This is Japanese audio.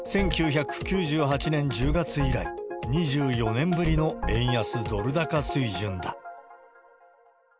１９９８年１０月以来、２４年ぶりの円安ドル高水準だ。